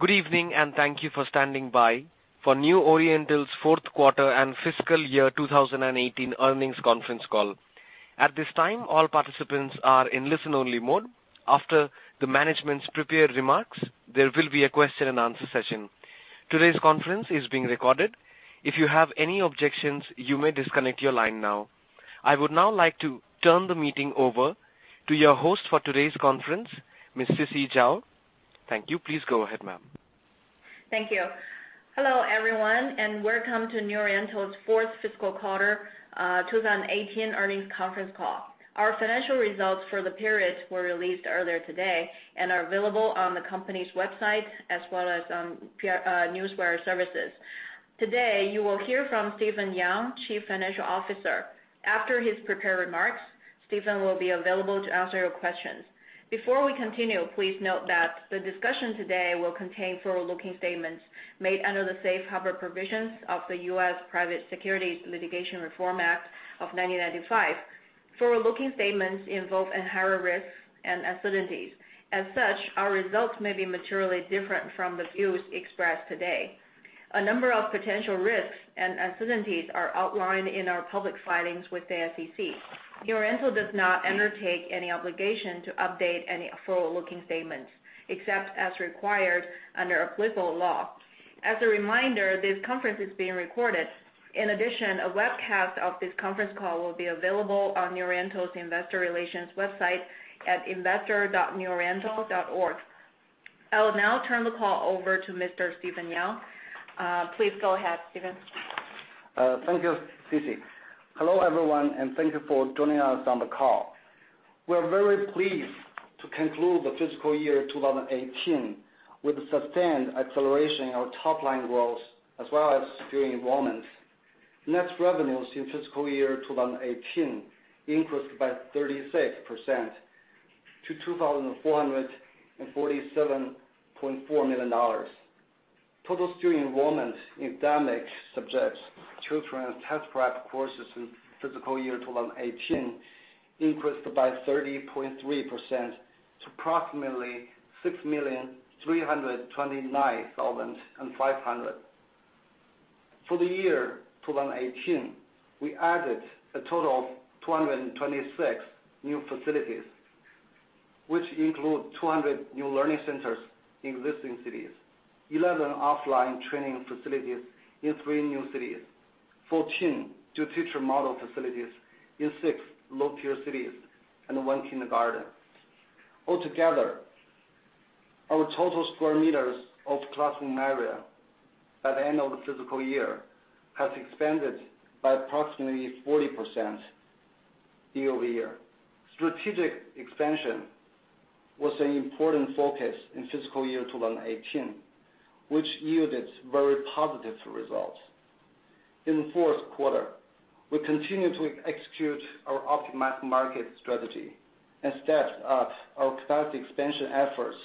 Good evening, thank you for standing by for New Oriental's fourth quarter and fiscal year 2018 earnings conference call. At this time, all participants are in listen-only mode. After the management's prepared remarks, there will be a question and answer session. Today's conference is being recorded. If you have any objections, you may disconnect your line now. I would now like to turn the meeting over to your host for today's conference, Ms. Sisi Zhao. Thank you. Please go ahead, ma'am. Thank you. Hello, everyone, welcome to New Oriental's fourth fiscal quarter 2018 earnings conference call. Our financial results for the period were released earlier today and are available on the company's website as well as on Newswire Services. Today, you will hear from Stephen Yang, Chief Financial Officer. After his prepared remarks, Stephen will be available to answer your questions. Before we continue, please note that the discussion today will contain forward-looking statements made under the Safe Harbor Provisions of the U.S. Private Securities Litigation Reform Act of 1995. Forward-looking statements involve inherent risks and uncertainties. As such, our results may be materially different from the views expressed today. A number of potential risks and uncertainties are outlined in our public filings with the SEC. New Oriental does not undertake any obligation to update any forward-looking statements, except as required under applicable law. As a reminder, this conference is being recorded. In addition, a webcast of this conference call will be available on New Oriental's investor relations website at investor.neworiental.org. I will now turn the call over to Mr. Stephen Yang. Please go ahead, Stephen. Thank you, Sisi. Hello, everyone, thank you for joining us on the call. We're very pleased to conclude the fiscal year 2018 with sustained acceleration in our top-line growth as well as student enrollments. Net revenues in fiscal year 2018 increased by 36% to $2,447.4 million. Total student enrollment in academic subjects, tutoring, and test prep courses in fiscal year 2018 increased by 30.3% to approximately 6,329,500. For the year 2018, we added a total of 226 new facilities, which include 200 new learning centers in existing cities, 11 offline training facilities in three new cities, 14 two-teacher model facilities in six low-tier cities, and one kindergarten. All together, our total square meters of classroom area at the end of the fiscal year has expanded by approximately 40% year-over-year. Strategic expansion was an important focus in fiscal year 2018, which yielded very positive results. In the fourth quarter, we continued to execute our optimized market strategy and stepped up our capacity expansion efforts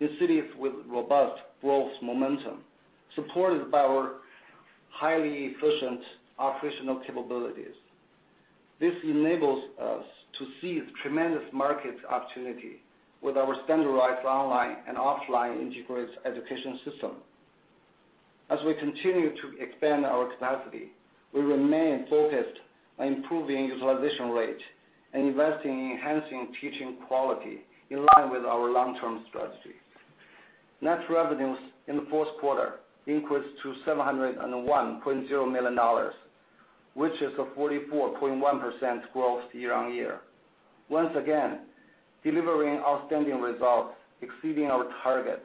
in cities with robust growth momentum, supported by our highly efficient operational capabilities. This enables us to seize tremendous market opportunity with our standardized online and offline integrated education system. As we continue to expand our capacity, we remain focused on improving utilization rate and investing in enhancing teaching quality in line with our long-term strategy. Net revenues in the fourth quarter increased to $701.0 million, which is a 44.1% growth year-over-year. Once again, delivering outstanding results exceeding our target.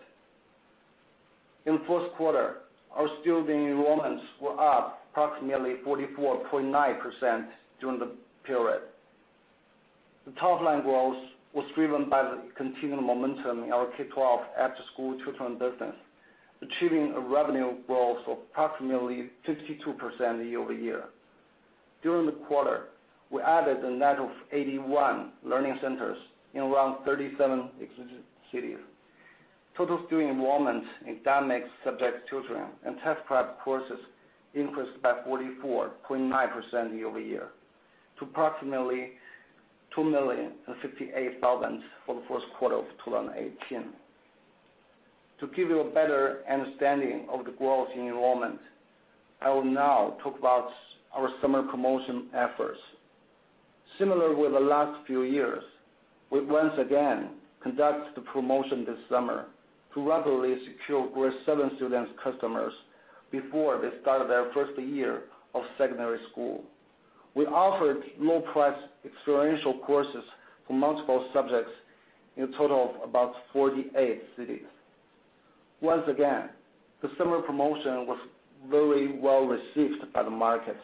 In the first quarter, our student enrollments were up approximately 44.9% during the period. The top-line growth was driven by the continued momentum in our K-12 after-school tutoring business, achieving a revenue growth of approximately 52% year-over-year. During the quarter, we added a net of 81 learning centers in around 37 existing cities. Total student enrollment in academic subject tutoring and test prep courses increased by 44.9% year-over-year to approximately 2,058,000 for the first quarter of 2018. To give you a better understanding of the growth in enrollment, I will now talk about our summer promotion efforts. Similar with the last few years, we once again conducted the promotion this summer to rapidly secure grade 7 students customers before they started their first year of secondary school. We offered low-priced experiential courses for multiple subjects in a total of about 48 cities. Once again, the summer promotion was very well-received by the market.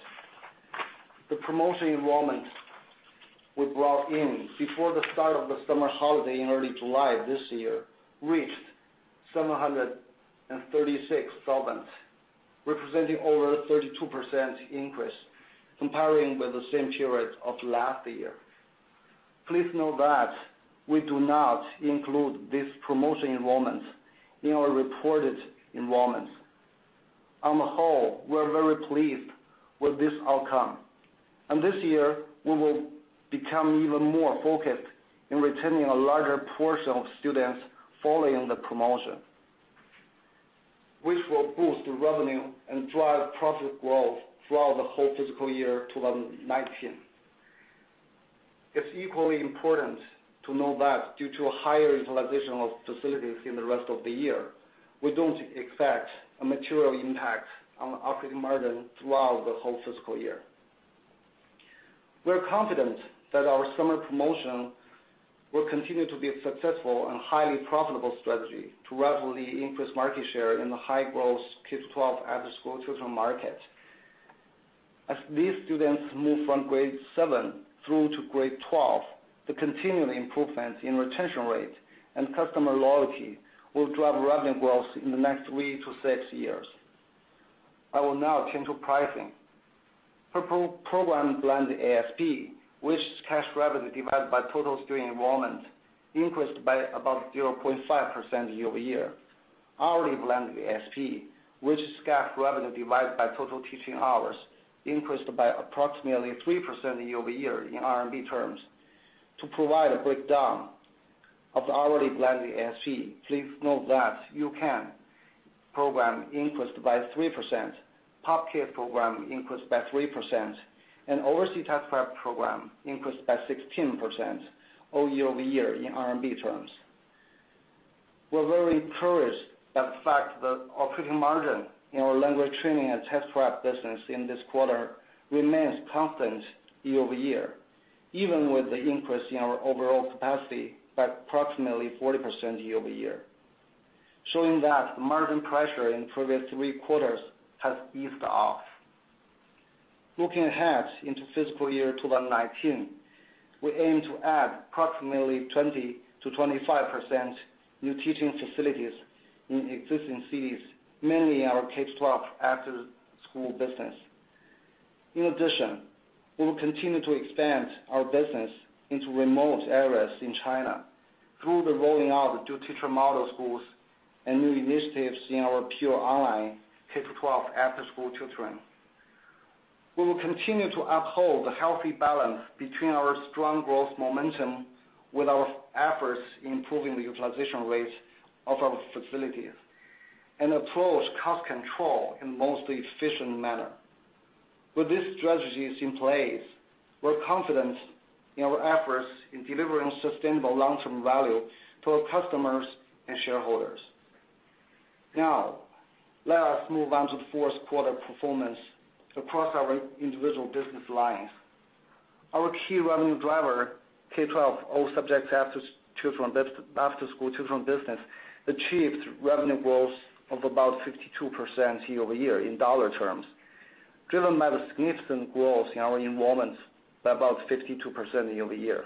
The promotion enrollments we brought in before the start of the summer holiday in early July this year reached 736,000, representing over a 32% increase comparing with the same period of last year. Please note that we do not include these promotion enrollments in our reported enrollments. On the whole, we are very pleased with this outcome. This year, we will become even more focused in retaining a larger portion of students following the promotion, which will boost revenue and drive profit growth throughout the whole fiscal year 2019. It's equally important to know that due to a higher utilization of facilities in the rest of the year, we don't expect a material impact on operating margin throughout the whole fiscal year. We are confident that our summer promotion will continue to be a successful and highly profitable strategy to rapidly increase market share in the high-growth K-12 after-school tutoring market. As these students move from grade 7 through to grade 12, the continuing improvement in retention rate and customer loyalty will drive revenue growth in the next three to five years. I will now turn to pricing. Per-program blended ASP, which is cash revenue divided by total student enrollment, increased by about 0.5% year-over-year. Hourly blended ASP, which is cash revenue divided by total teaching hours, increased by approximately 3% year-over-year in RMB terms. To provide a breakdown of the hourly blended ASP, please note that U-Can program increased by 3%, POP Kids program increased by 3%, and overseas test-prep program increased by 16% all year-over-year in RMB terms. We're very encouraged by the fact that operating margin in our language training and test-prep business in this quarter remains constant year-over-year, even with the increase in our overall capacity by approximately 40% year-over-year, showing that margin pressure in previous three quarters has eased off. Looking ahead into fiscal year 2019, we aim to add approximately 20%-25% new teaching facilities in existing cities, mainly our K12 after-school business. In addition, we will continue to expand our business into remote areas in China through the rolling out of new two-teacher model schools and new initiatives in our pure online K12 after-school tutoring. We will continue to uphold the healthy balance between our strong growth momentum with our efforts in improving the utilization rates of our facilities and approach cost control in the most efficient manner. With these strategies in place, we're confident in our efforts in delivering sustainable long-term value to our customers and shareholders. Now, let us move on to the fourth quarter performance across our individual business lines. Our key revenue driver, K12 all subjects after-school tutoring business, achieved revenue growth of about 52% year-over-year in dollar terms, driven by the significant growth in our enrollments by about 52% year-over-year.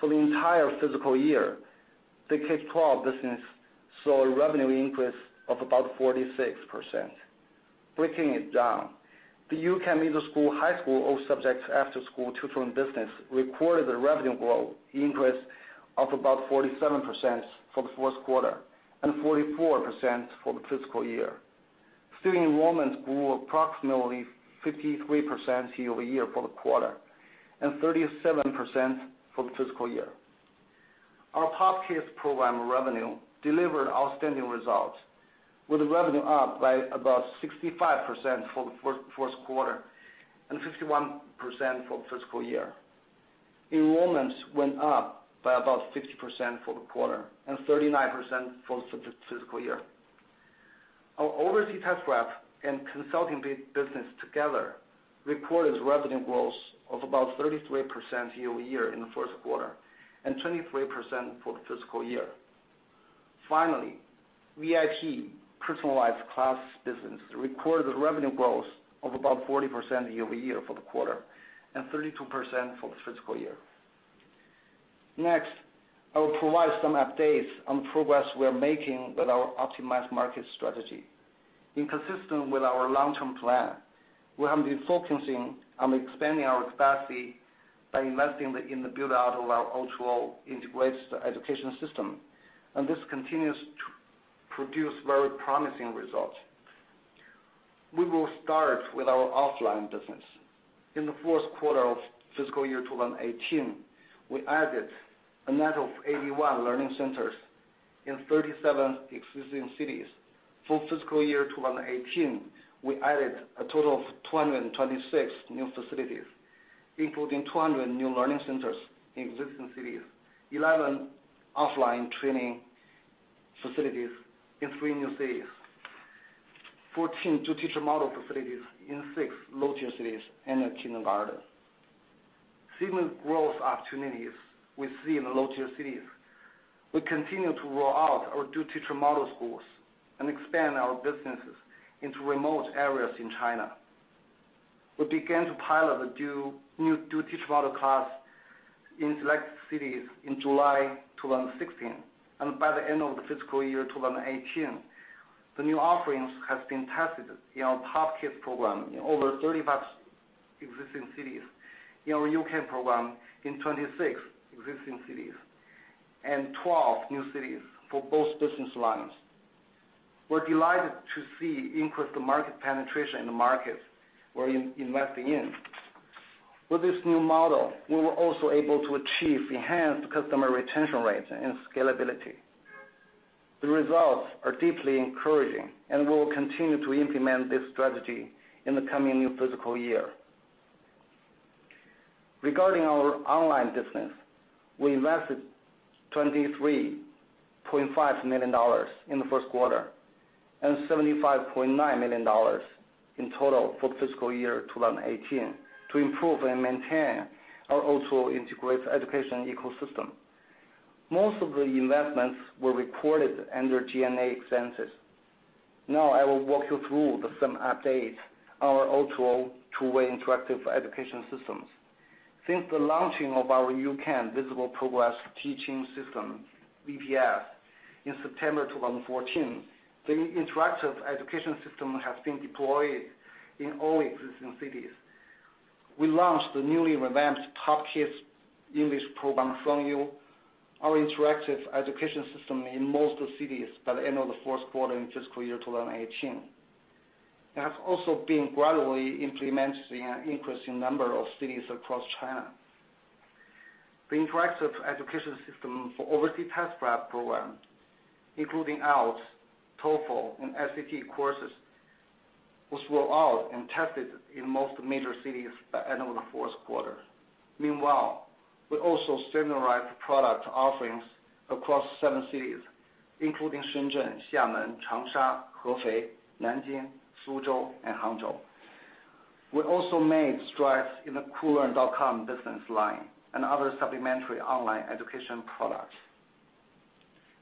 For the entire fiscal year, the K12 business saw a revenue increase of about 46%. Breaking it down, the U-Can middle school, high school, all subjects after-school tutoring business recorded a revenue growth increase of about 47% for the fourth quarter and 44% for the fiscal year. Student enrollments grew approximately 53% year-over-year for the quarter and 37% for the fiscal year. Our POP Kids program revenue delivered outstanding results, with revenue up by about 65% for the fourth quarter and 51% for the fiscal year. Enrollments went up by about 50% for the quarter and 39% for the fiscal year. Our overseas test-prep and consulting business together reported revenue growth of about 33% year-over-year in the first quarter and 23% for the fiscal year. Finally, VIP personalized class business recorded revenue growth of about 40% year-over-year for the quarter and 32% for the fiscal year. Next, I will provide some updates on progress we are making with our optimized market strategy. Consistent with our long-term plan, we have been focusing on expanding our capacity by investing in the build-out of our O2O integrated education system, and this continues to produce very promising results. We will start with our offline business. In the fourth quarter of fiscal year 2018, we added a net of 81 learning centers in 37 existing cities. For fiscal year 2018, we added a total of 226 new facilities, including 200 new learning centers in existing cities, 11 offline training facilities in three new cities, 14 two-teacher model facilities in 6 low-tier cities, and a kindergarten. Significant growth opportunities we see in the low-tier cities. We continue to roll out our two-teacher model schools and expand our businesses into remote areas in China. We began to pilot a new two-teacher model class in select cities in July 2016. By the end of the fiscal year 2018, the new offerings have been tested in our POP Kids program in over 35 existing cities, in our U-can program in 26 existing cities. 12 new cities for both business lines. We're delighted to see increased market penetration in the markets we're investing in. With this new model, we were also able to achieve enhanced customer retention rates and scalability. The results are deeply encouraging, and we will continue to implement this strategy in the coming new fiscal year. Regarding our online business, we invested $23.5 million in the first quarter, and $75.9 million in total for fiscal year 2018 to improve and maintain our O2O integrated education ecosystem. Most of the investments were recorded under G&A expenses. Now I will walk you through some updates on our O2O two-way interactive education systems. Since the launching of our U-Can Visible Progress Teaching System, VPS, in September 2014, the interactive education system has been deployed in all existing cities. We launched the newly revamped Top Kids English program, Songyou, our interactive education system in most cities by the end of the fourth quarter in fiscal year 2018. It has also been gradually implemented in an increasing number of cities across China. The interactive education system for overseas test prep program, including IELTS, TOEFL, and SAT courses, was rolled out and tested in most major cities by end of the fourth quarter. Meanwhile, we also standardized product offerings across seven cities, including Shenzhen, Xiamen, Changsha, Hefei, Nanjing, Suzhou, and Hangzhou. We also made strides in the koolearn.com business line and other supplementary online education products.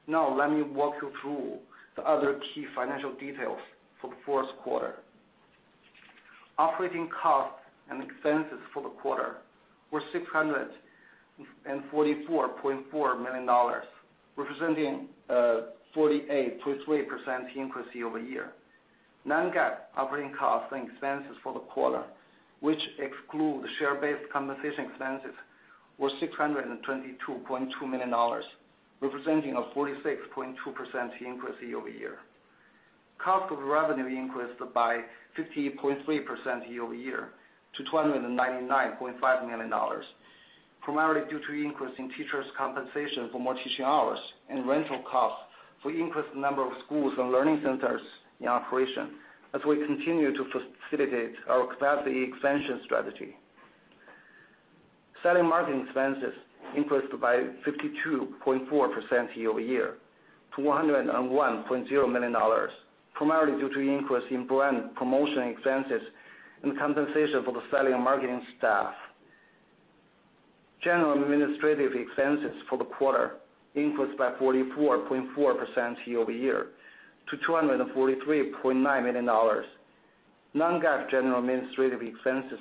Now let me walk you through the other key financial details for the fourth quarter. Operating costs and expenses for the quarter were $644.4 million, representing a 48.3% increase year-over-year. Non-GAAP operating costs and expenses for the quarter, which exclude share-based compensation expenses, were $622.2 million, representing a 46.2% increase year-over-year. Cost of revenue increased by 50.3% year-over-year to $299.5 million, primarily due to increase in teachers' compensation for more teaching hours and rental costs for increased number of schools and learning centers in operation, as we continue to facilitate our capacity expansion strategy. Selling and marketing expenses increased by 52.4% year-over-year to $101.0 million, primarily due to increase in brand promotion expenses and compensation for the selling and marketing staff. General and administrative expenses for the quarter increased by 44.4% year-over-year to $243.9 million. Non-GAAP general and administrative expenses,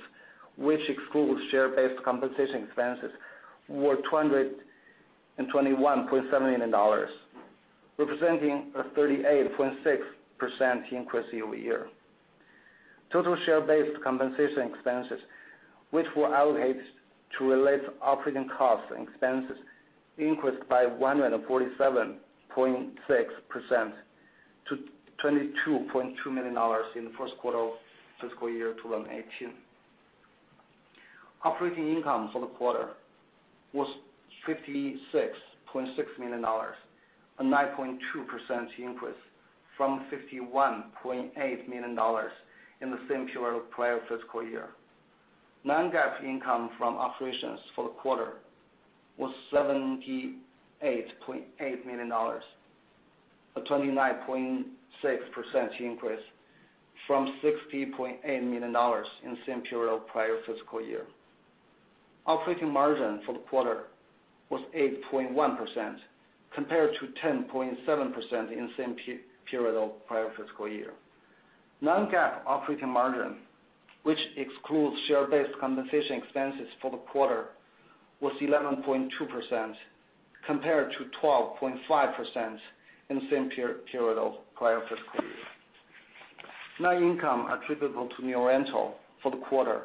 which excludes share-based compensation expenses, were $221.7 million, representing a 38.6% increase year-over-year. Total share-based compensation expenses, which were allocated to relate to operating costs and expenses, increased by 147.6% to $22.2 million in the first quarter of fiscal year 2018. Operating income for the quarter was $56.6 million, a 9.2% increase from $51.8 million in the same period of prior fiscal year. Non-GAAP income from operations for the quarter was $78.8 million, a 29.6% increase from $60.8 million in the same period of prior fiscal year. Operating margin for the quarter was 8.1%, compared to 10.7% in the same period of prior fiscal year. Non-GAAP operating margin, which excludes share-based compensation expenses for the quarter, was 11.2%, compared to 12.5% in the same period of prior fiscal year. Net income attributable to New Oriental for the quarter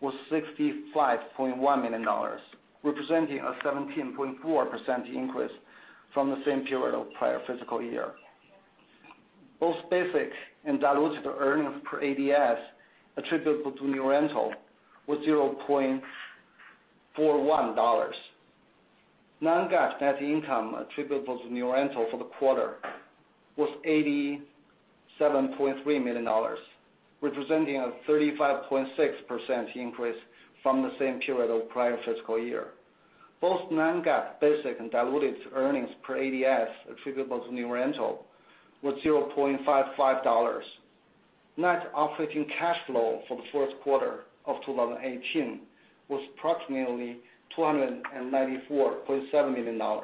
was $65.1 million, representing a 17.4% increase from the same period of prior fiscal year. Both basic and diluted earnings per ADS attributable to New Oriental were $0.41. Non-GAAP net income attributable to New Oriental for the quarter was $87.3 million, representing a 35.6% increase from the same period of prior fiscal year. Both Non-GAAP basic and diluted earnings per ADS attributable to New Oriental were $0.55. Net operating cash flow for the first quarter of 2018 was approximately $294.7 million.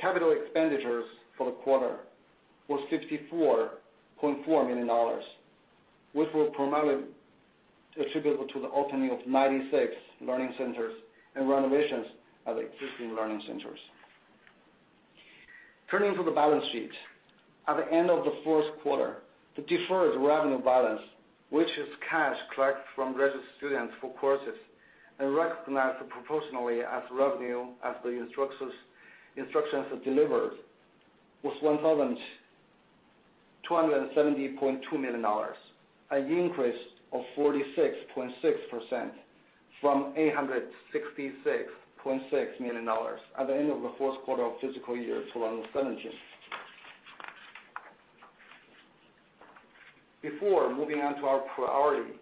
Capital expenditures for the quarter were $64.4 million, which were primarily attributable to the opening of 96 learning centers and renovations at existing learning centers. Turning to the balance sheet. At the end of the fourth quarter, the deferred revenue balance, which is cash collected from registered students for courses and recognized proportionally as revenue as the instructions are delivered, was $1,270.2 million, an increase of 46.6% from $866.6 million at the end of the fourth quarter of fiscal year 2017. Before moving on to our priority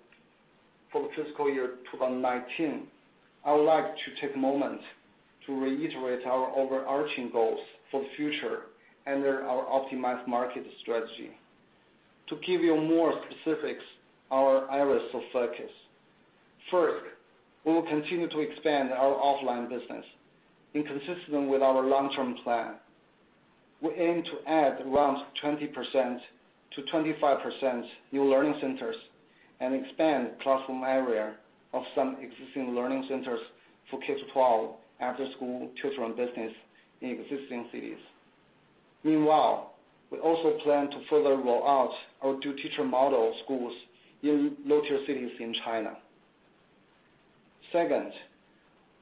for the fiscal year 2019, I would like to take a moment to reiterate our overarching goals for the future under our optimized market strategy. To give you more specifics, our areas of focus. First, we will continue to expand our offline business in consistent with our long-term plan. We aim to add around 20%-25% new learning centers and expand classroom area of some existing learning centers for K12 after-school tutoring business in existing cities. Meanwhile, we also plan to further roll out our two teacher model schools in low-tier cities in China. Second,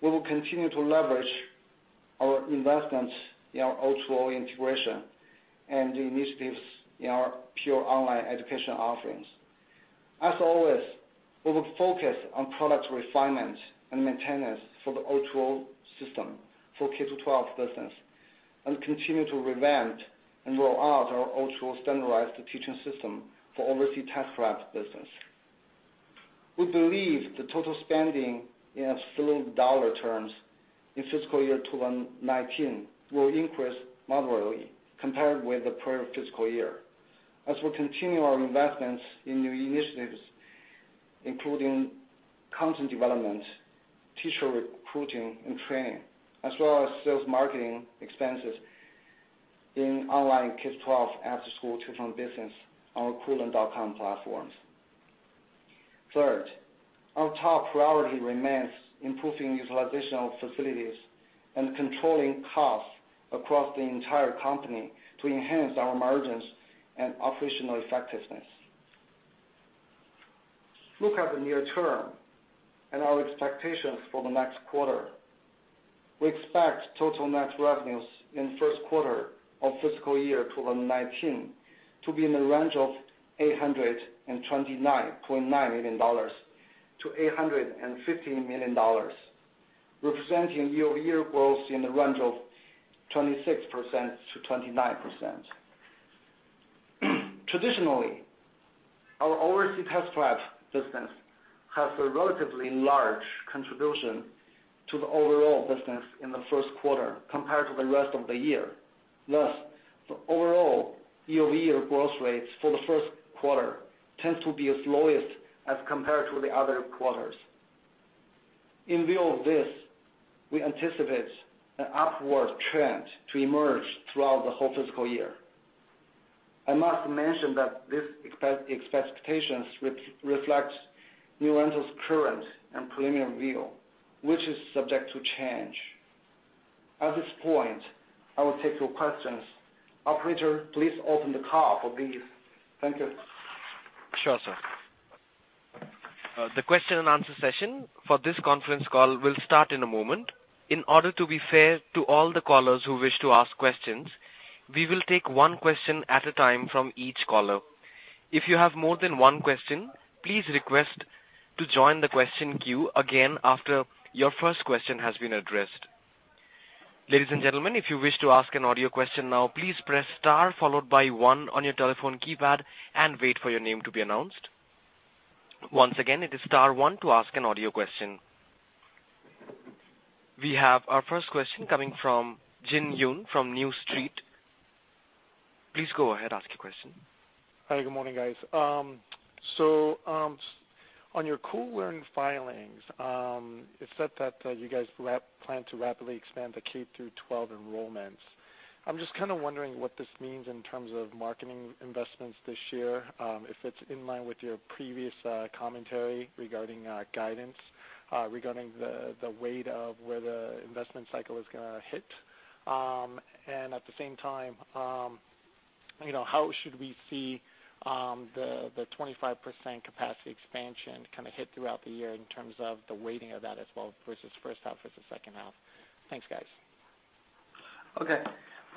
we will continue to leverage our investment in our O2O integration and initiatives in our pure online education offerings. As always, we will focus on product refinement and maintenance for the O2O system for K12 business, and continue to revamp and roll out our O2O standardized teaching system for overseas test-prep business. We believe the total spending in absolute dollar terms in fiscal year 2019 will increase moderately compared with the prior fiscal year, as we continue our investments in new initiatives, including content development, teacher recruiting and training, as well as sales marketing expenses in online K12 after-school tutoring business on our Koolearn.com platforms. Third, our top priority remains improving utilization of facilities and controlling costs across the entire company to enhance our margins and operational effectiveness. Look at the near term and our expectations for the next quarter. We expect total net revenues in the first quarter of fiscal year 2019 to be in the range of $829.9 million-$850 million, representing year-over-year growth in the range of 26%-29%. Traditionally, our overseas test-prep business has a relatively large contribution to the overall business in the first quarter compared to the rest of the year. Thus, the overall year-over-year growth rates for the first quarter tends to be as lowest as compared to the other quarters. In view of this, we anticipate an upward trend to emerge throughout the whole fiscal year. I must mention that this expectation reflects New Oriental's current and preliminary view, which is subject to change. At this point, I will take your questions. Operator, please open the call for these. Thank you. Sure, sir. The question and answer session for this conference call will start in a moment. In order to be fair to all the callers who wish to ask questions, we will take one question at a time from each caller. If you have more than one question, please request to join the question queue again after your first question has been addressed. Ladies and gentlemen, if you wish to ask an audio question now, please press star followed by one on your telephone keypad and wait for your name to be announced. Once again, it is star one to ask an audio question. We have our first question coming from Jin Yoon from New Street. Please go ahead, ask your question. Hi, good morning, guys. On your Koolearn filings, it said that you guys plan to rapidly expand the K-12 enrollments. I'm just kind of wondering what this means in terms of marketing investments this year, if it's in line with your previous commentary regarding guidance, regarding the weight of where the investment cycle is gonna hit. At the same time, how should we see the 25% capacity expansion hit throughout the year in terms of the weighting of that as well versus first half versus second half? Thanks, guys. Okay.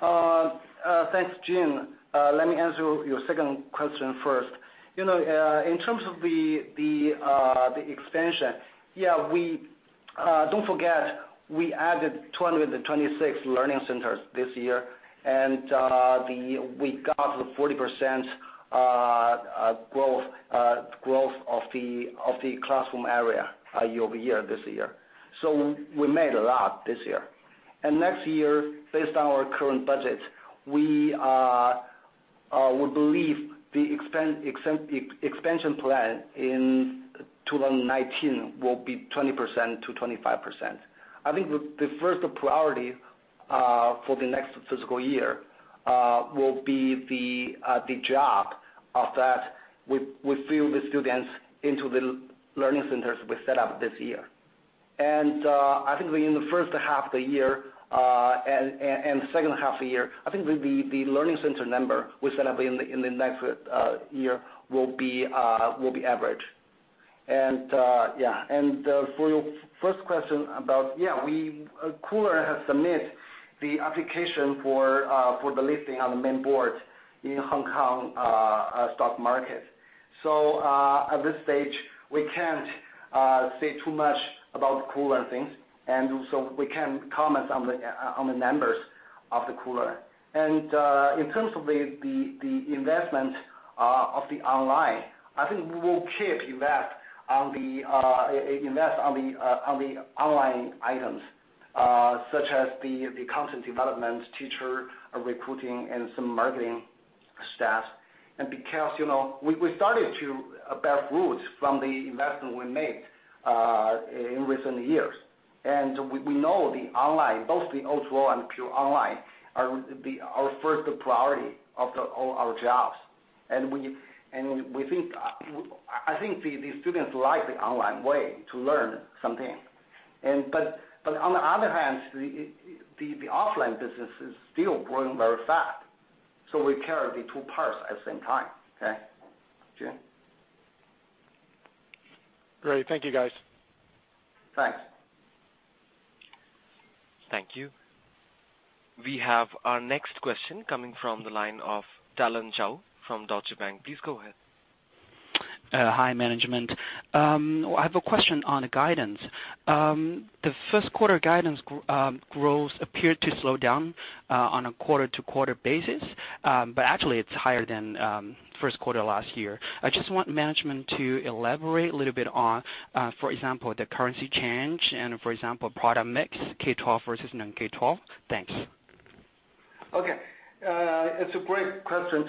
Thanks, Jin. Let me answer your second question first. In terms of the expansion, don't forget, we added 226 learning centers this year, and we got the 40% growth of the classroom area year-over-year this year. We made a lot this year. Next year, based on our current budget, we believe the expansion plan in 2019 will be 20% to 25%. I think the first priority for the next fiscal year will be the job of that we fill the students into the learning centers we set up this year I think in the first half of the year and the second half of the year, I think the learning center number we set up in the next year will be average. For your first question about, yeah, Koolearn has submit the application for the listing on the main board in Hong Kong stock market. At this stage, we can't say too much about Koolearn things. We can't comment on the numbers of the Koolearn. In terms of the investment of the online, I think we will keep invest on the online items such as the content development, teacher recruiting, and some marketing staff. Because we started to bear fruit from the investment we made in recent years. We know the online, both the O2O and pure online, are our first priority of all our jobs. I think the students like the online way to learn something. But on the other hand, the offline business is still growing very fast. We carry the two parts at the same time. Okay. Jim? Great. Thank you, guys. Thanks. Thank you. We have our next question coming from the line of Tallan Chow from Deutsche Bank. Please go ahead. Hi, management. I have a question on the guidance. The first quarter guidance growth appeared to slow down on a quarter-to-quarter basis, but actually, it is higher than first quarter last year. I just want management to elaborate a little bit on, for example, the currency change and, for example, product mix K12 versus non-K12. Thanks. Okay. It is a great question,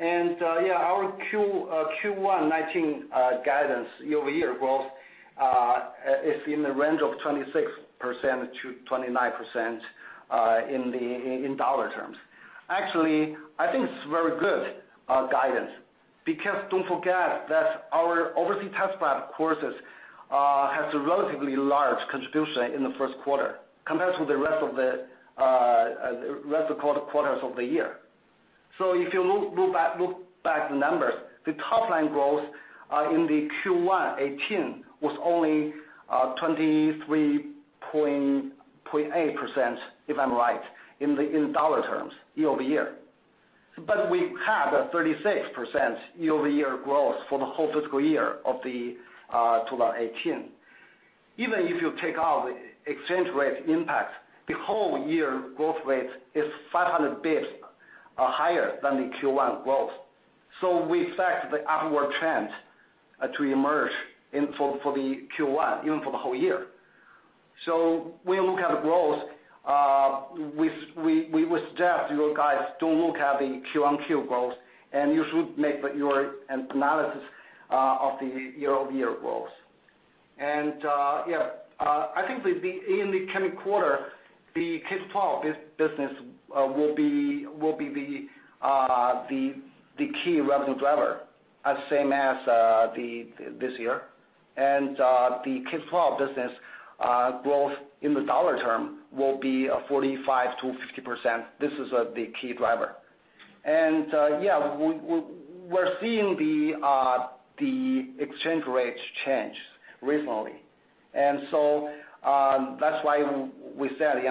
Tallan. Our Q1 2019 guidance year-over-year growth is in the range of 26%-29% in dollar terms. Actually, I think it is very good guidance because don't forget that our overseas test prep courses has a relatively large contribution in the first quarter compared to the rest of quarters of the year. If you look back the numbers, the top line growth in the Q1 2018 was only 23.8%, if I am right, in dollar terms, year-over-year. We have a 36% year-over-year growth for the whole fiscal year of 2018. Even if you take out exchange rate impact, the whole year growth rate is 500 basis points higher than the Q1 growth. We expect the upward trend to emerge for the Q1, even for the whole year. We look at the growth, we would suggest you guys don't look at the Q on Q growth, you should make your analysis of the year-over-year growth. I think in the coming quarter, the K12 business will be the key revenue driver as same as this year. The K12 business growth in the dollar term will be 45%-50%. This is the key driver. We're seeing the exchange rates change recently. That's why we said in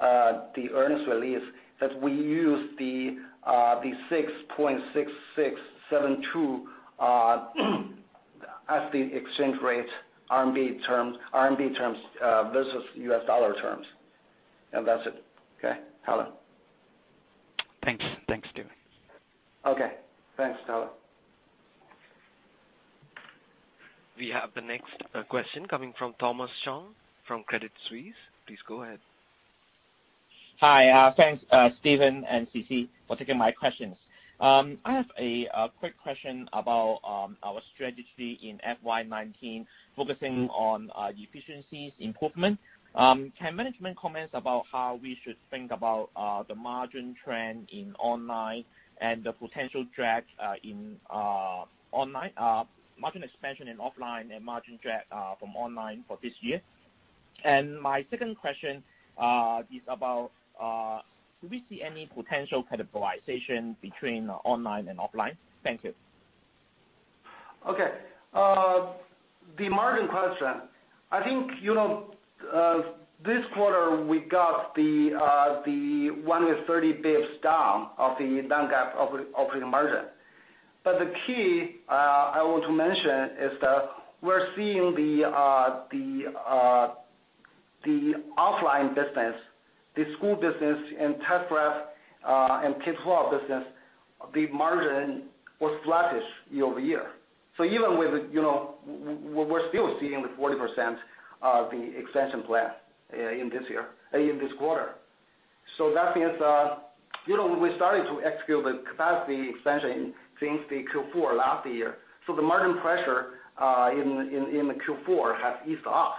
the earnings release that we use the 6.6672 as the exchange rate RMB terms versus U.S. dollar terms. That's it. Okay, Tallan? Thanks. Thanks, Stephen. Okay. Thanks, Tallan. We have the next question coming from Thomas Chong from Credit Suisse. Please go ahead. Hi. Thanks, Stephen and Sisi, for taking my questions. I have a quick question about our strategy in FY 2019, focusing on efficiencies improvement. Can management comment about how we should think about the margin trend in online and the potential drag in online, margin expansion in offline and margin drag from online for this year? My second question is about, do we see any potential cannibalization between online and offline? Thank you. Okay. The margin question, I think this quarter we got the 130 basis points down of the Non-GAAP operating margin. The key I want to mention is that we're seeing the offline business, the school business and test prep and K12 business, the margin was flattish year-over-year. We're still seeing the 40% of the expansion plan in this quarter. That means we started to execute the capacity expansion since the Q4 last year. The margin pressure in the Q4 has eased off.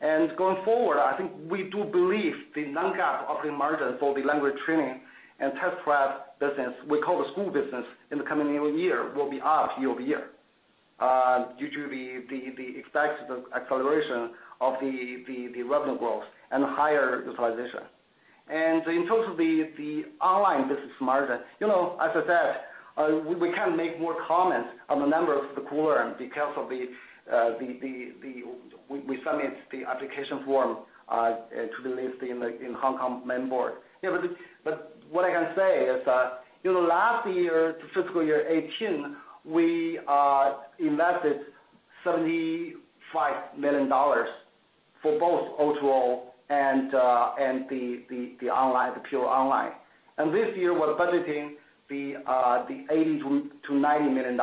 Going forward, I think we do believe the Non-GAAP operating margin for the language training and test prep business, we call the school business, in the coming new year will be up year-over-year, due to the expected acceleration of the revenue growth and higher utilization. In terms of the online business margin, as I said, we can't make more comments on the number of the quarter because we submit the application form to be listed in Hong Kong Main Board. What I can say is, last year, fiscal year 2018, we invested $75 million for both O2O and the pure online. This year, we're budgeting the $80 million to $90 million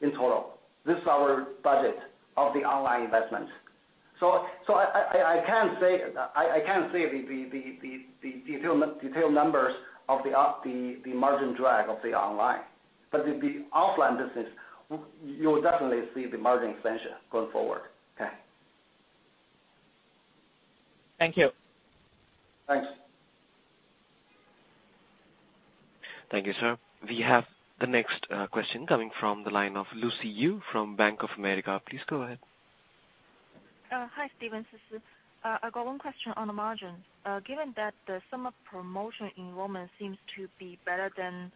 in total. This is our budget of the online investment. I can't say the detailed numbers of the margin drag of the online, but the offline business, you'll definitely see the margin expansion going forward. Okay. Thank you. Thanks. Thank you, sir. We have the next question coming from the line of Lucy Yu from Bank of America. Please go ahead. Hi, Stephen. This is Yu. I've got one question on the margin. Given that the summer promotion enrollment seems to be better than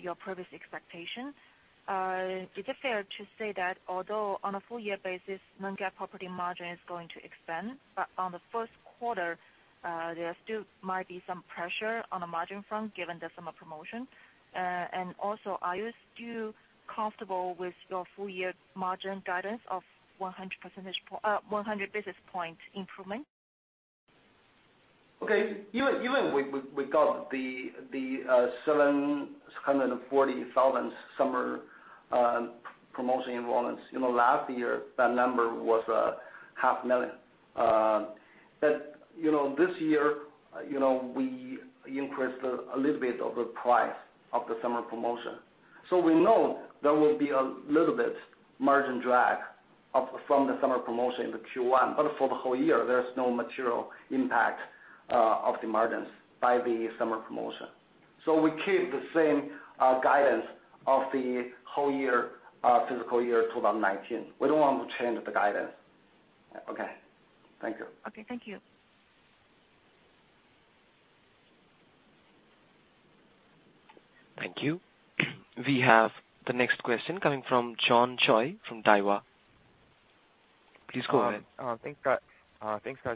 your previous expectation, is it fair to say that although on a full year basis, non-GAAP property margin is going to expand, on the first quarter, there still might be some pressure on the margin front given the summer promotion? Also, are you still comfortable with your full-year margin guidance of 100 basis points improvement? Even we got the 740,000 summer promotion enrollments. Last year, that number was 500,000. This year, we increased a little bit of the price of the summer promotion. We know there will be a little bit margin drag from the summer promotion in the Q1. For the whole year, there's no material impact of the margins by the summer promotion. We keep the same guidance of the whole year, fiscal year 2019. We don't want to change the guidance. Thank you. Thank you. Thank you. We have the next question coming from John Choi from Daiwa. Please go ahead. Thanks, guys,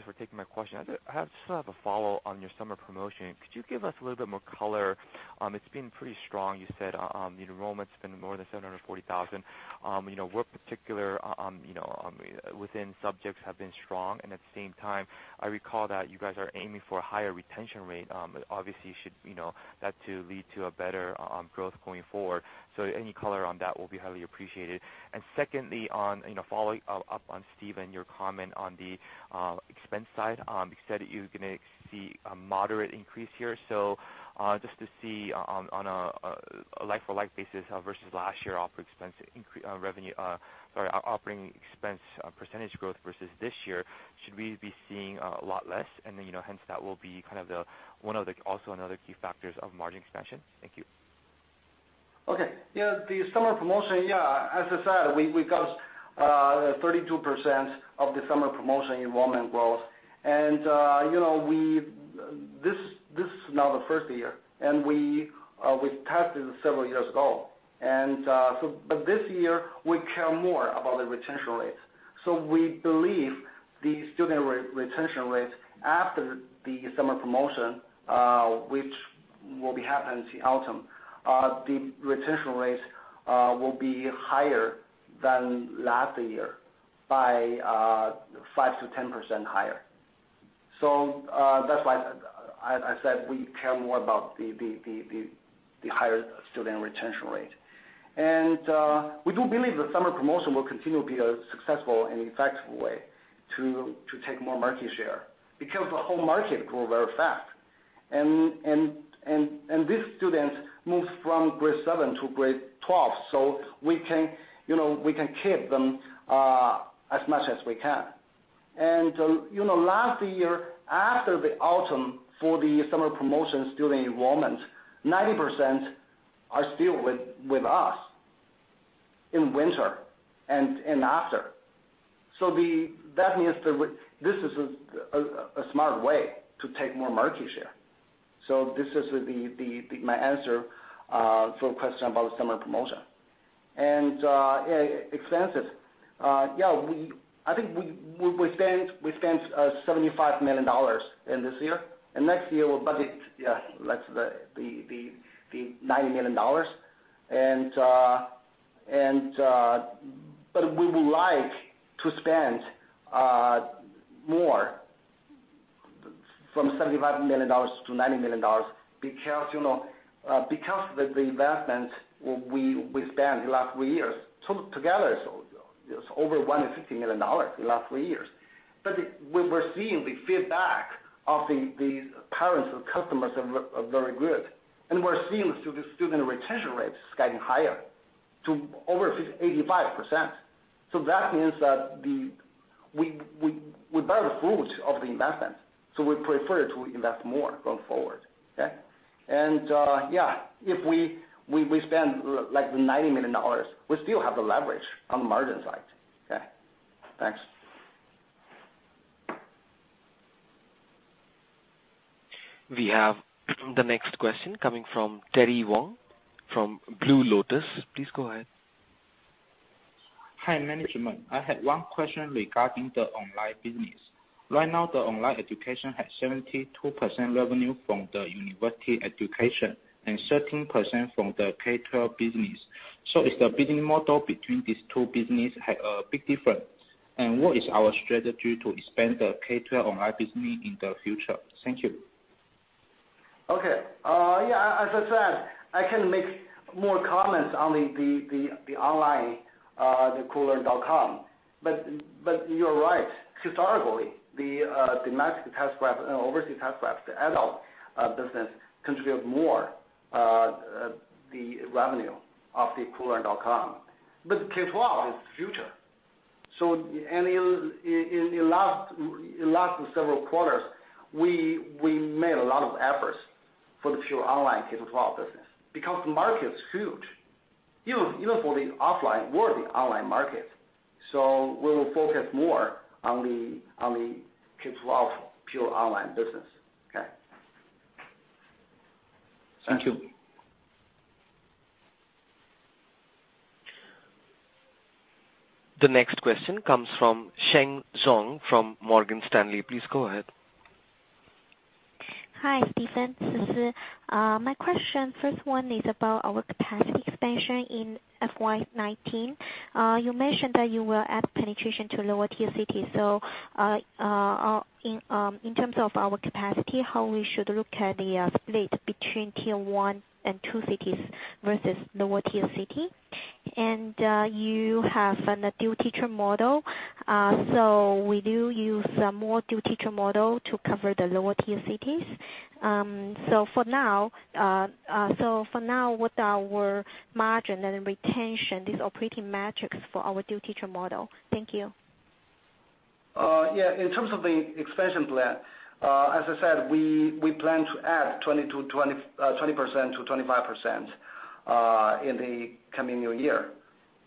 for taking my question. I just have a follow on your summer promotion. Could you give us a little bit more color? It's been pretty strong. You said the enrollment's been more than 740,000. What particular within subjects have been strong? At the same time, I recall that you guys are aiming for a higher retention rate. Obviously, that should lead to a better growth going forward. Any color on that will be highly appreciated. Secondly, following up on Stephen, your comment on the expense side. You said you're going to see a moderate increase here. Just to see on a like-for-like basis versus last year operating expense percentage growth versus this year, should we be seeing a lot less? Hence, that will be kind of also another key factors of margin expansion. Thank you. Okay. Yeah, the summer promotion, as I said, we got 32% of the summer promotion enrollment growth. This is now the first year, and we tested several years ago. This year, we care more about the retention rate. We believe the student retention rate after the summer promotion, which will be happening in the autumn, the retention rate will be higher than last year by 5%-10% higher. That's why, as I said, we care more about the higher student retention rate. We do believe the summer promotion will continue to be a successful and effective way to take more market share because the whole market grow very fast. These students move from grade 7 to grade 12, so we can keep them as much as we can. Last year, after the autumn for the summer promotion student enrollment, 90% are still with us in winter and after. That means this is a smart way to take more market share. This is my answer for a question about the summer promotion. Expenses. I think we spent $75 million in this year. Next year, we'll budget the $90 million. We would like to spend more from $75 million-$90 million because the investment we spent the last three years together is over $150 million the last three years. We're seeing the feedback of the parents or customers are very good. We're seeing the student retention rates getting higher to over 85%. That means that we bear the fruit of the investment, we prefer to invest more going forward. Okay? Yes, if we spend $90 million, we still have the leverage on the margin side. Okay, thanks. We have the next question coming from Terry Wong from Blue Lotus. Please go ahead. Hi, management. I had one question regarding the online business. Right now, online education has 72% revenue from university education and 13% from the K-12 business. Is the business model between these two businesses have a big difference? What is our strategy to expand the K-12 online business in the future? Thank you. Okay. Yeah, as I said, I can make more comments on the online Koolearn.com. You are right, historically, the domestic test prep and overseas test prep, the adult business contribute more of the revenue of the Koolearn.com. K-12 is the future. In the last several quarters, we made a lot of efforts for the pure online K-12 business because the market is huge. Even for the offline worthy online market. We will focus more on the K-12 pure online business. Okay. Thank you. The next question comes from Sheng Zhong from Morgan Stanley. Please go ahead. Hi, Stephen. This is My question, first one is about our capacity expansion in FY 2019. You mentioned that you will add penetration to lower-tier cities. In terms of our capacity, how we should look at the split between tier 1 and 2 cities versus lower-tier cities. You have a dual-teacher model. We do use a more dual-teacher model to cover the lower-tier cities. For now, what our margin and retention, these operating metrics for our dual-teacher model. Thank you. Yeah. In terms of the expansion plan, as I said, we plan to add 20%-25% in the coming new year.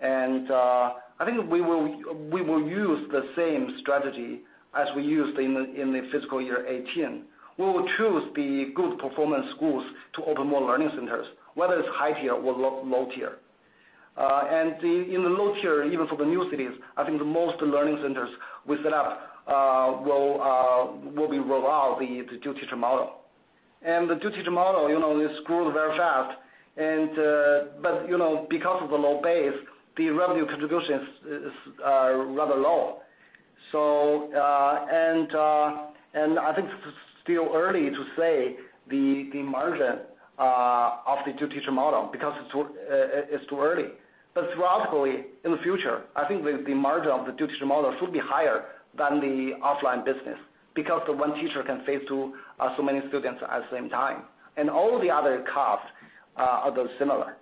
I think we will use the same strategy as we used in the fiscal year 2018. We will choose the good performance schools to open more learning centers, whether it's high tier or low tier. In the low tier, even for the new cities, I think most learning centers we set up will roll out the dual-teacher model. The dual-teacher model, it grows very fast. Because of the low base, the revenue contribution is rather low. I think it's still early to say the margin of the dual-teacher model because it's too early. Theoretically, in the future, I think the margin of the dual-teacher model should be higher than the offline business, because one teacher can face so many students at the same time, and all the other costs are similar.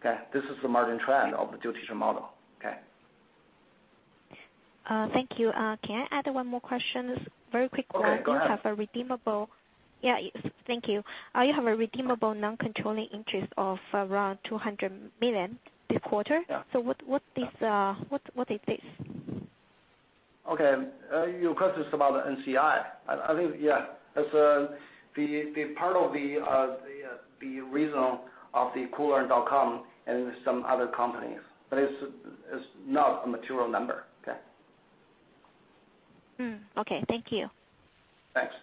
Okay? This is the margin trend of the dual-teacher model. Okay. Thank you. Can I add one more question very quickly? Okay, go ahead. Yeah. Thank you. You have a redeemable non-controlling interest of around $200 million this quarter. Yeah. What is this? Okay. Your question is about NCI. I think. It's part of the reason of the Koolearn.com and some other companies, but it's not a material number. Okay? Okay. Thank you. Thanks.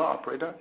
Hello, operator?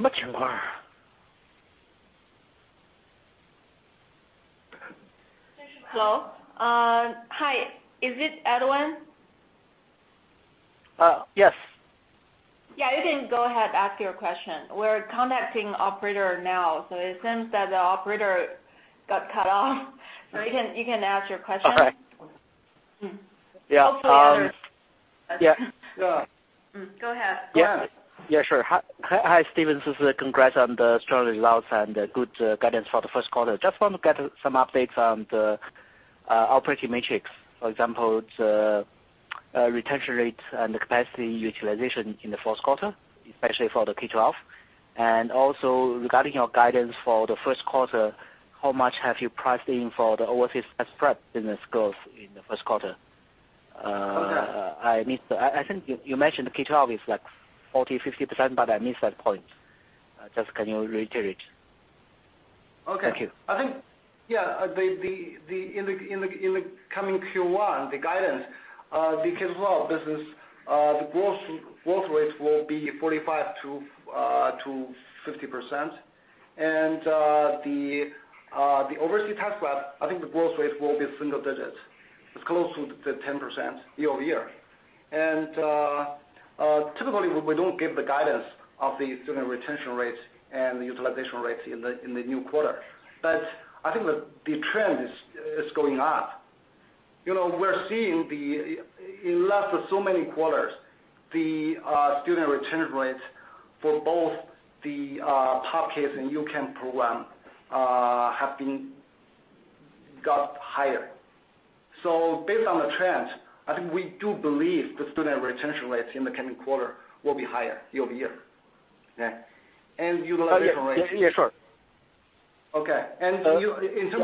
No. Go ahead. Hello. Hi, is this Edwin? Yes. Yeah, you can go ahead and ask your question. We're contacting operator now. It seems that the operator got cut off. You can ask your question. Okay. Hopefully- Yeah. Go ahead. Yeah. Sure. Hi, Stephen. Congrats on the strong results and the good guidance for the first quarter. Just want to get some updates on the operating metrics. For example, the retention rates and the capacity utilization in the fourth quarter, especially for the K-12. Regarding your guidance for the first quarter, how much have you priced in for the overseas test prep business growth in the first quarter? Okay. I think you mentioned the K-12 is like 40%-50%, but I missed that point. Just can you reiterate? Okay. Thank you. I think, yeah, in the coming Q1, the guidance, the K-12 business, the growth rates will be 45%-50%. The overseas test prep, I think the growth rate will be single digits. It's close to 10% year-over-year. Typically, we don't give the guidance of the student retention rates and the utilization rates in the new quarter. I think the trend is going up. We're seeing, in last so many quarters, the student retention rates for both the POP Kids and U-can program have got higher. Based on the trends, I think we do believe the student retention rates in the coming quarter will be higher year-over-year. Okay? Yeah, sure. Okay. In terms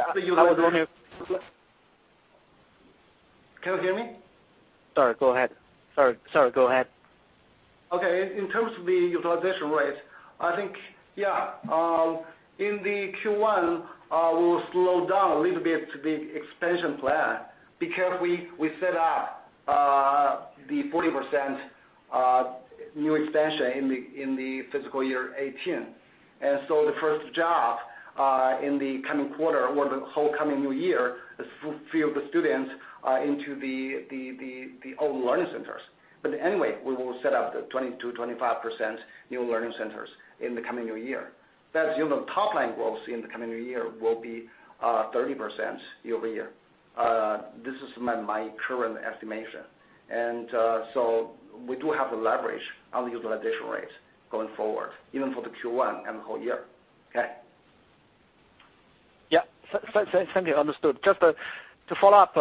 of the utilization- Can you hear me? Sorry, go ahead. Okay. In terms of the utilization rate, I think, yeah, in the Q1, we will slow down a little bit the expansion plan because we set up the 40% new expansion in the fiscal year 2018. The first job, in the coming quarter or the whole coming new year, is fill the students into the old learning centers. Anyway, we will set up the 20%-25% new learning centers in the coming new year. That's the top line growth in the coming new year will be, 30% year-over-year. This is my current estimation. We do have the leverage on the utilization rate going forward, even for the Q1 and the whole year. Okay? Yeah. Thank you. Understood. Just to follow up,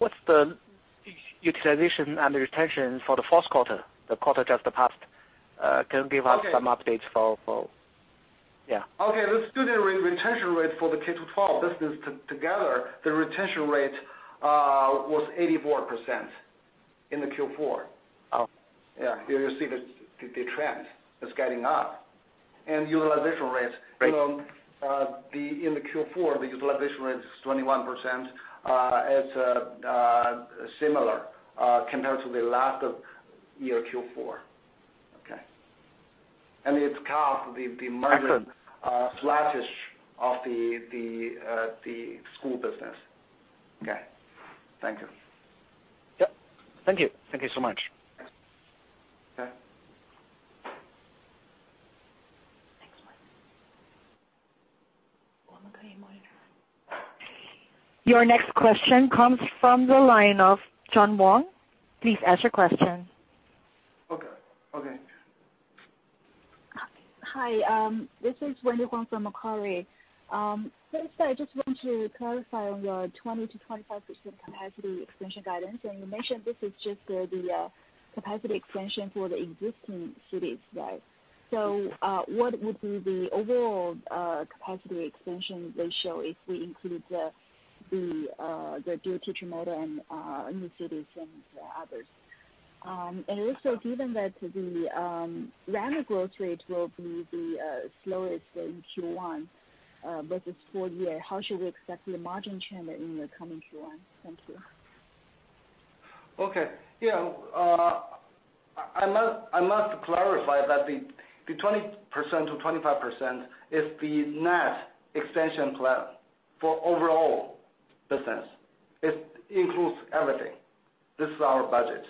what's the utilization and retention for the fourth quarter, the quarter just passed? Can you give us some updates? Okay. The student retention rate for the K-12 business together, the retention rate was 84% in the Q4. Oh. Yeah. You see the trend is getting up. Right In the Q4, the utilization rate is 21%, it's similar compared to the last of year Q4. Okay. Excellent Flattish of the school business. Okay. Thank you. Yep. Thank you. Thank you so much. Okay. Next one. Your next question comes from the line of Johnny Wong. Please ask your question. Okay. Hi, this is Wendy Huang from Macquarie. First, I just want to clarify on your 20%-25% capacity expansion guidance. You mentioned this is just the capacity expansion for the existing cities, right? What would be the overall capacity expansion ratio if we include the dual-teacher model in new cities and the others? Also given that the revenue growth rate will be the slowest in Q1 versus full year, how should we expect the margin trend in the coming Q1? Thank you. Okay. Yeah. I must clarify that the 20%-25% is the net expansion plan for overall business. It includes everything. This is our budget.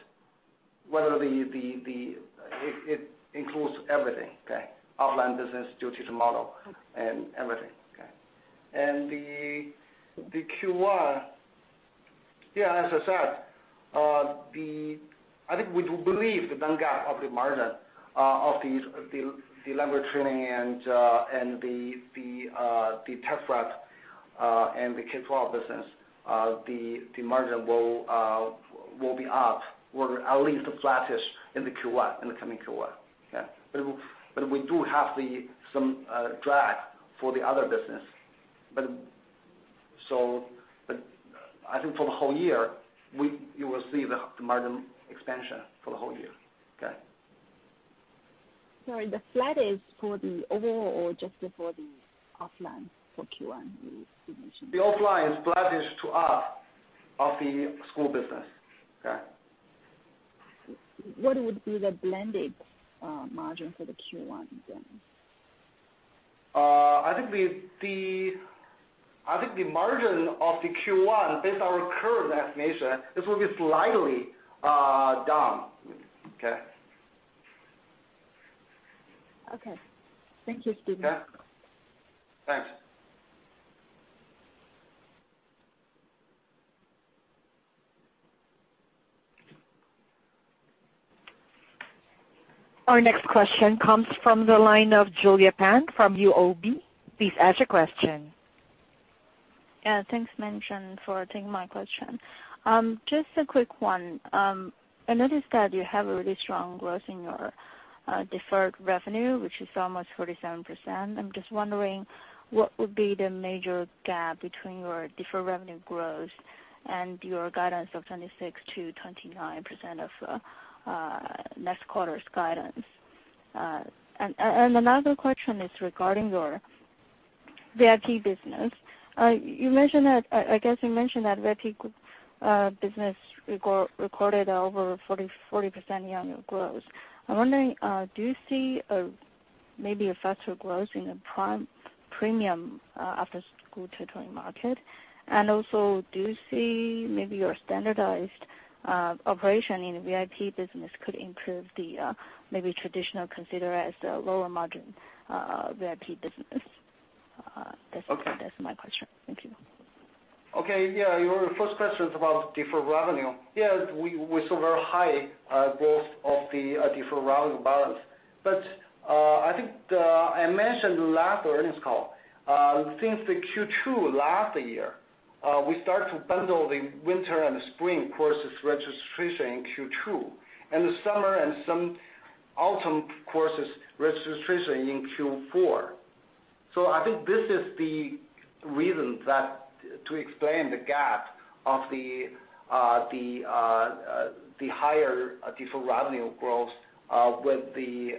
It includes everything, okay? Offline business, dual-teacher model- Okay and everything. Okay. The Q1, as I said, I think we do believe the bang gap of the margin of the lever training and the test prep, and the K-12 business, the margin will be up, or at least flattish in the coming Q1. Yeah. We do have some drag for the other business. I think for the whole year, you will see the margin expansion for the whole year. Okay. Sorry, the flat is for the overall or just for the offline for Q1 you mentioned? The offline is flattish to up of the school business. Okay. What would be the blended margin for the Q1 then? I think the margin of the Q1, based on our current estimation, this will be slightly down. Okay? Okay. Thank you, Stephen. Yeah. Thanks. Our next question comes from the line of Julia Pan from UOB. Please ask your question. Yeah. Thanks, management, for taking my question. Just a quick one. I noticed that you have a really strong growth in your deferred revenue, which is almost 47%. I am just wondering what would be the major gap between your deferred revenue growth and your guidance of 26%-29% of next quarter's guidance? Another question is regarding your VIP business. I guess you mentioned that VIP business recorded over 40% year-on-year growth. I am wondering, do you see maybe a faster growth in the premium after-school tutoring market? Also, do you see maybe your standardized operation in the VIP business could improve the maybe traditional considered as the lower margin VIP business? Okay. That's my question. Thank you. Okay. Yeah. Your first question is about deferred revenue. Yes, we saw very high growth of the deferred revenue balance. I think I mentioned last earnings call, since the Q2 last year, we start to bundle the winter and the spring courses registration in Q2, and the summer and some autumn courses registration in Q4. I think this is the reason to explain the gap of the higher deferred revenue growth, with the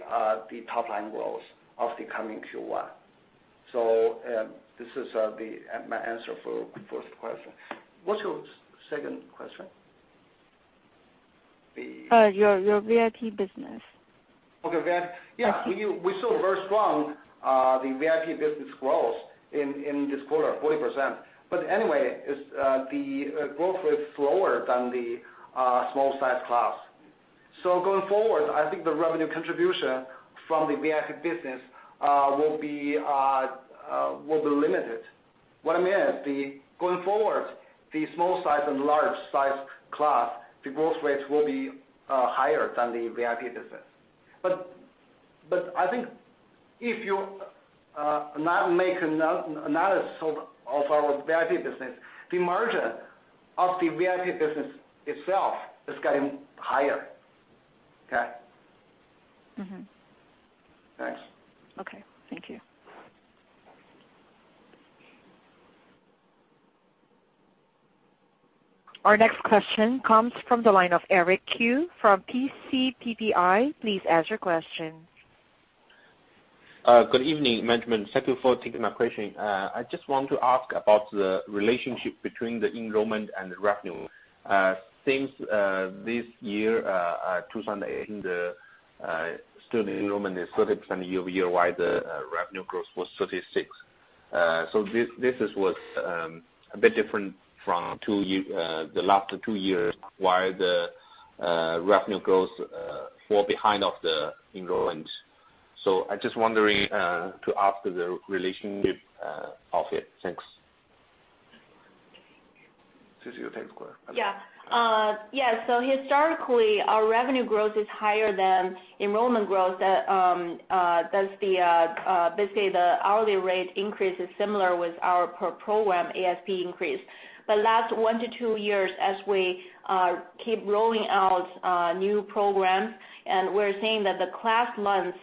top-line growth of the coming Q1. This is my answer for first question. What's your second question? Your VIP business. Okay, VIP. Yeah, we saw very strong the VIP business growth in this quarter, 40%. Anyway, the growth rate is slower than the small-sized class. Going forward, I think the revenue contribution from the VIP business will be limited. What I mean is, going forward, the small size and large size class, the growth rates will be higher than the VIP business. I think if you not make analysis of our VIP business, the margin of the VIP business itself is getting higher. Okay? Thanks. Okay. Thank you. Our next question comes from the line of Eric Qiu from PCPPI. Please ask your question. Good evening, management. Thank you for taking my question. I just want to ask about the relationship between the enrollment and the revenue. Since this year, 2018, the student enrollment is 30% year-over-year, while the revenue growth was 36%. This was a bit different from the last two years, while the revenue growth fall behind of the enrollment. I just wondering to ask the relationship of it. Thanks. This is your third quarter. Yeah. Historically, our revenue growth is higher than enrollment growth. Basically, the hourly rate increase is similar with our per program ASP increase. The last one to two years, as we keep rolling out new programs, and we're seeing that the class months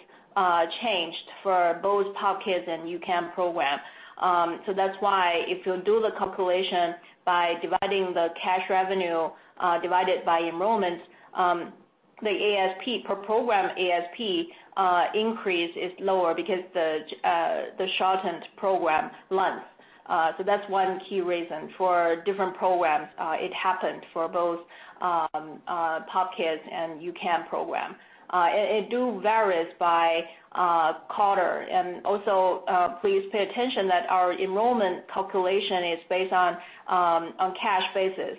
changed for both POP Kids and U-Can program. That's why if you do the calculation by dividing the cash revenue divided by enrollments, the per program ASP increase is lower because the shortened program length. That's one key reason for different programs. It happened for both POP Kids and U-Can program. It do varies by quarter. Also, please pay attention that our enrollment calculation is based on cash basis.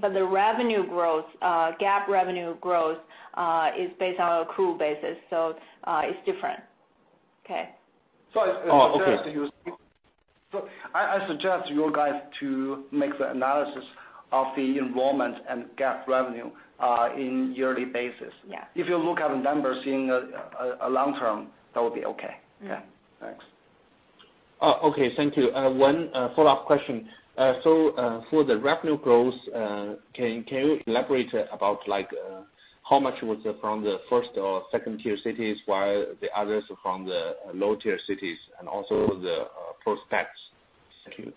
But the revenue growth, GAAP revenue growth, is based on accrual basis, so it's different. Okay. Oh, okay. I suggest you guys to make the analysis of the enrollment and GAAP revenue in yearly basis. Yeah. If you look at the numbers in a long term, that would be okay. Yeah. Thanks. Oh, okay. Thank you. One follow-up question. For the revenue growth, can you elaborate about how much was it from the 1st or 2nd tier cities, while the others are from the low tier cities, and also the prospects? Thank you.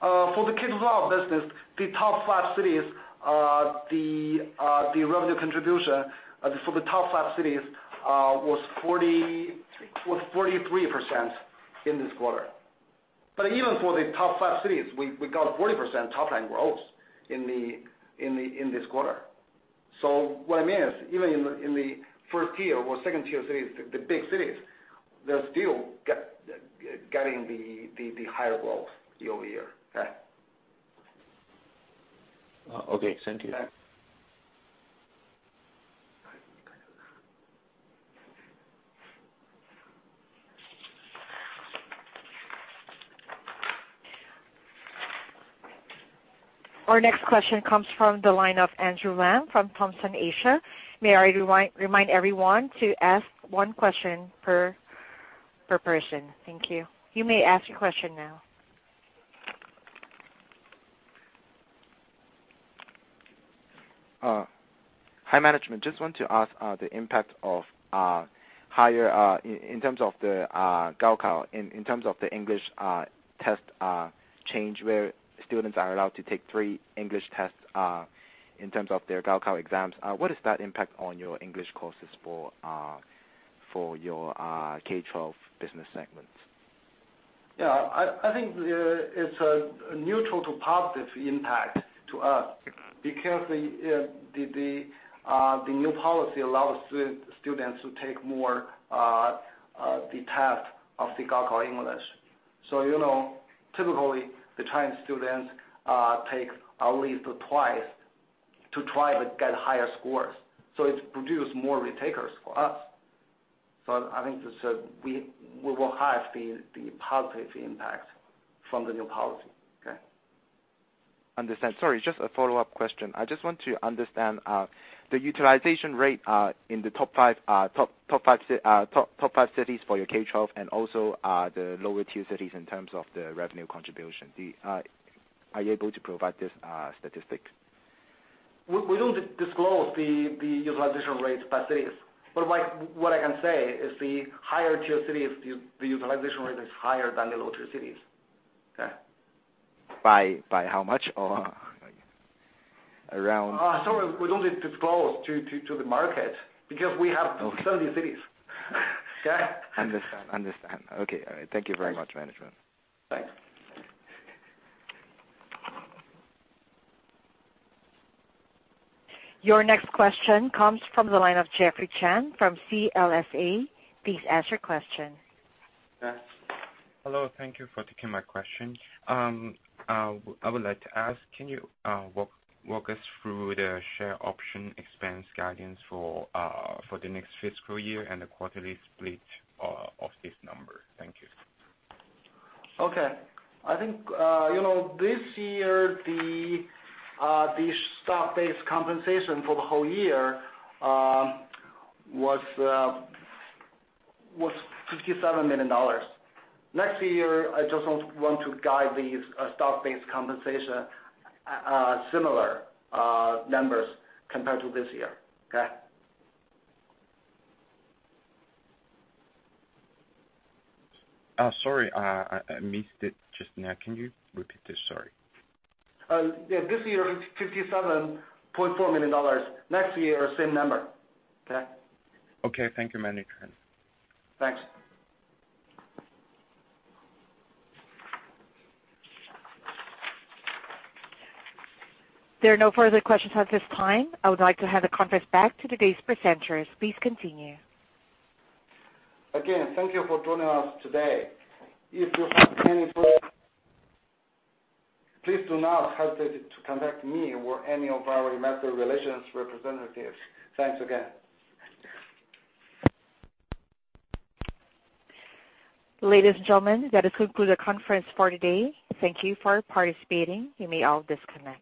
For the kids' business, the top five cities, the revenue contribution for the top five cities was 43% in this quarter. Even for the top five cities, we got 40% top-line growth in this quarter. What I mean is, even in the first tier or second tier cities, the big cities, they're still getting the higher growth year-over-year. Okay. Okay. Thank you. Our next question comes from the line of Andrew Lam from Thomson Asia. May I remind everyone to ask one question per person. Thank you. You may ask your question now. Hi, management. Just want to ask the impact in terms of the Gaokao, in terms of the English test change, where students are allowed to take three English tests, in terms of their Gaokao exams. What is that impact on your English courses for your K12 business segment? Yeah, I think it's a neutral to positive impact to us, because the new policy allows students to take more the test of the Gaokao English. Typically, the Chinese students take at least twice to try to get higher scores. It produce more retakers for us. I think this will have the positive impact from the new policy. Okay? Understand. Sorry, just a follow-up question. I just want to understand the utilization rate in the top five cities for your K12, and also the lower tier cities in terms of the revenue contribution. Are you able to provide this statistic? We don't disclose the utilization rate by cities. What I can say is the higher tier cities, the utilization rate is higher than the lower tier cities. Okay? By how much, or around? Sorry, we don't need disclose to the market, because we have so many cities. Okay? Understand. Okay. All right. Thank you very much, management. Thanks. Your next question comes from the line of Jeffrey Chen from CLSA. Please ask your question. Yes. Hello, thank you for taking my question. I would like to ask, can you walk us through the share option expense guidance for the next fiscal year and the quarterly split of this number? Thank you. Okay. I think this year, the stock-based compensation for the whole year was $57 million. Next year, I just want to guide the stock-based compensation similar numbers compared to this year. Okay? Sorry, I missed it just now. Can you repeat it? Sorry. Yeah. This year, $57.4 million. Next year, same number. Okay? Okay, thank you, management. Thanks. There are no further questions at this time. I would like to hand the conference back to today's presenters. Please continue. Again, thank you for joining us today. If you have any further questions, please do not hesitate to contact me or any of our investor relations representatives. Thanks again. Ladies and gentlemen, that is conclude the conference for today. Thank you for participating. You may all disconnect.